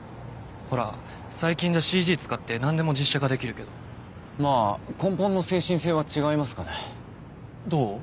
ほら最近じゃＣＧ使ってなんでも実写化できるけどまあ根本の精神性は違いますかねどう？